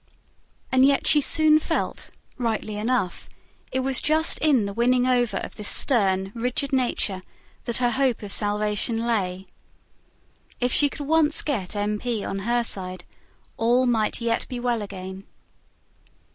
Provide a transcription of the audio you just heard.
And yet she soon felt, rightly enough, it was just in the winning over of this stern, rigid nature that her hope of salvation lay. If she could once get M. P. on her side, all might yet be well again.